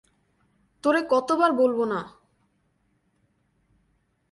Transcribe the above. তোরে কত বার বলব না!